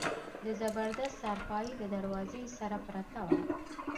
د زبردست څارپايي د دروازې سره پرته وه.